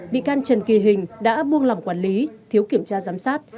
bị can trần kỳ hình đã buông lòng quản lý thiếu kiểm tra giám sát